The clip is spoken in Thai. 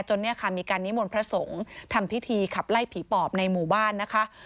เนี่ยค่ะมีการนิมนต์พระสงฆ์ทำพิธีขับไล่ผีปอบในหมู่บ้านนะคะ